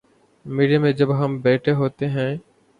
Media میں جب ہم بیٹھے ہوتے ہیں۔